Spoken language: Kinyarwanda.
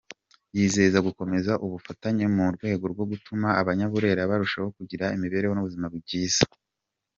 Yizeza gukomeza ubufatanye mu rwego rwo gutuma Abanyaburera barushaho kugira imibereho n’ubuzima byiza.